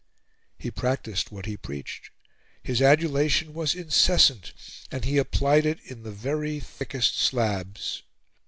He practiced what he preached. His adulation was incessant, and he applied it in the very thickest slabs.